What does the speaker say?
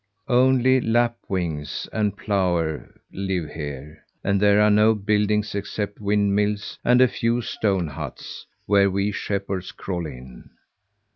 Only lapwings and plover live here, and there are no buildings except windmills and a few stone huts, where we shepherds crawl in.